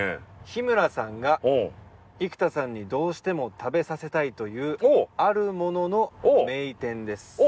「日村さんが生田さんにどうしても食べさせたいというあるものの名店です」